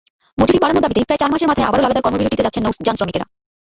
মজুরি বাড়ানোর দাবিতে প্রায় চার মাসের মাথায় আবারও লাগাতার কর্মবিরতিতে যাচ্ছেন নৌযানশ্রমিকেরা।